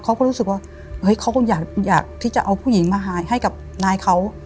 เขาก็รู้สึกว่าเฮ้ยเขาคงอยากที่จะเอาผู้หญิงมาหายให้กับนายเขา